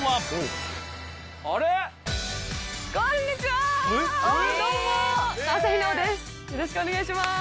よろしくお願いします。